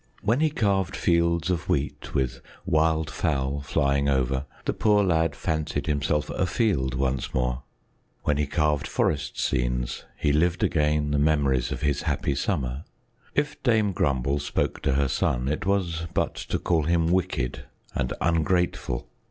When he carved fields of wheat with wild fowl flying over, the poor lad fancied himself afield once more; when he carved forest scenes, he lived again the memories of his happy summer. If Dame Grumble spoke to her son, it was but to call him wicked and ungrateful.